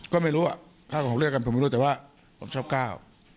ก็ไม่รู้อ่ะถ้าผมเลือกกันผมไม่รู้แต่ว่าผมชอบก้าว